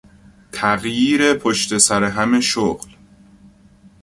تغییر پشت سرهم شغل